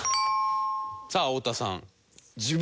さあ太田さん。